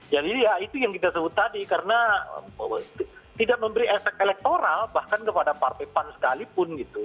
jadi ya itu yang kita sebut tadi karena tidak memberi efek elektoral bahkan kepada partai pan sekalipun gitu